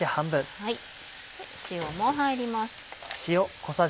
塩も入ります。